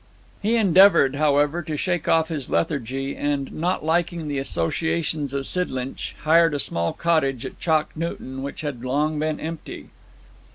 He endeavoured, however, to shake off his lethargy, and, not liking the associations of Sidlinch, hired a small cottage at Chalk Newton which had long been empty.